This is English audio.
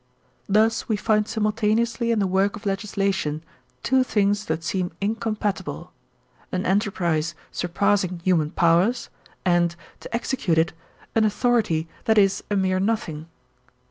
Thus we find simultaneously in the work of legislation two things that seem incompatible — an enterprise sur passing human powers, and, to execute it, an authority that is a mere nothing.